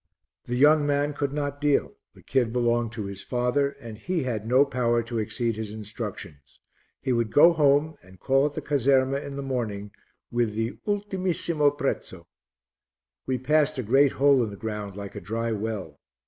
The young man could not deal; the kid belonged to his father, and he had no power to exceed his instructions; he would go home and call at the caserma in the morning with the ultimissimo prezzo. We passed a great hole in the ground like a dry well.